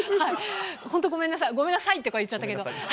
本当、ごめんなさい、ごめんなさいとか言っちゃったけど。